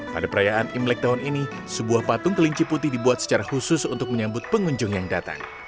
pada perayaan imlek tahun ini sebuah patung kelinci putih dibuat secara khusus untuk menyambut pengunjung yang datang